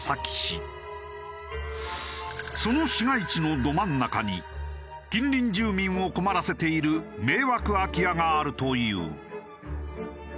その市街地のど真ん中に近隣住民を困らせている迷惑空き家があるという。